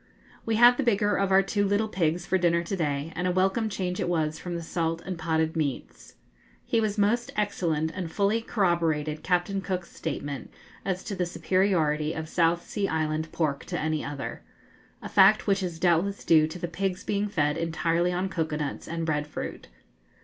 We had the bigger of our two little pigs for dinner to day, and a welcome change it was from the salt and potted meats. He was most excellent, and fully corroborated Captain Cook's statement as to the superiority of South Sea Island pork to any other a fact which is doubtless due to the pigs being fed entirely on cocoa nuts and bread fruit.